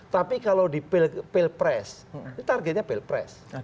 tapi kalau di pilpres itu targetnya pilpres